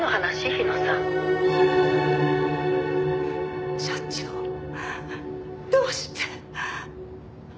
日野さん」社長どうして！？